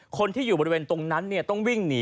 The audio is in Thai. คนที่อยู่บริเวณตรงนั้นต้องวิ่งหนี